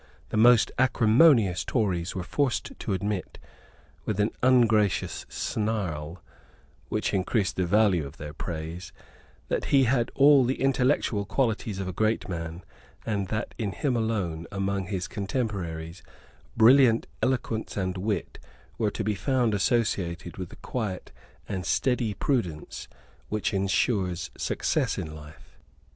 The most acrimonious Tories were forced to admit, with an ungracious snarl, which increased the value of their praise, that he had all the intellectual qualities of a great man, and that in him alone, among his contemporaries, brilliant eloquence and wit were to be found associated with the quiet and steady prudence which ensures success in life.